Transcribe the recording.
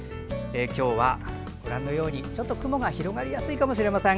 今日はちょっと雲が広がりやすいかもしれません。